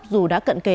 dù đã cận kế